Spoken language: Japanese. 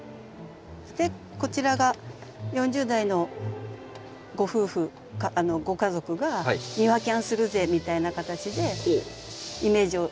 でこちらが４０代のご夫婦ご家族が庭キャンするぜみたいな形でイメージを。